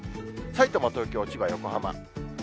さいたま、東京、千葉、横浜。